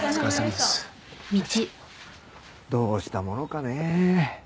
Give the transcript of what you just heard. どうしたものかね？